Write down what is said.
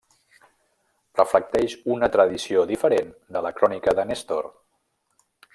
Reflecteix una tradició diferent de la Crònica de Néstor.